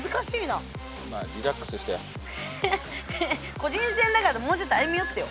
個人戦だからってもうちょっと歩み寄ってよ。